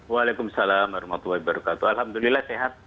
waalaikumsalam warahmatullahi wabarakatuh alhamdulillah sehat